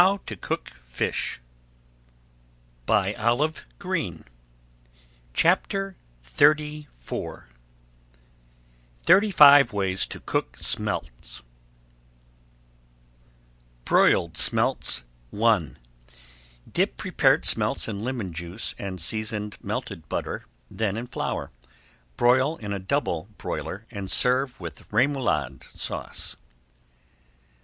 Serve with any preferred sauce. [Page 367] THIRTY FIVE WAYS TO COOK SMELTS BROILED SMELTS I Dip prepared smelts in lemon juice and seasoned melted butter, then in flour; broil in a double broiler, and serve with Remoulade Sauce.